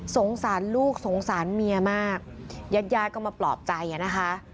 สงสารลูกสงสารเมียมากญาติยาดก็มาปลอบใจอ่ะนะคะ